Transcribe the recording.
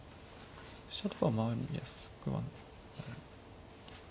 飛車とか回りやすくはなる。